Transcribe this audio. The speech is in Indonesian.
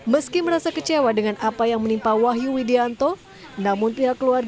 menurut pihak rumah sakit wahyu dinyatakan telah meninggal dunia karena kondisi almarhum dirasakan kritis